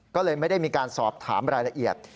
ก็เลยไม่ได้มีการสอบถามรายละเอียด